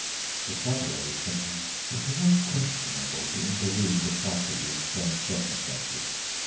The Traveler was thinking: it's always questionable to intervene decisively in strange circumstances.